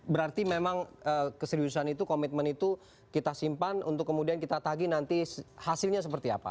berarti memang keseriusan itu komitmen itu kita simpan untuk kemudian kita tagih nanti hasilnya seperti apa